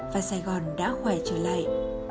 và sài gòn đã khỏe trở lại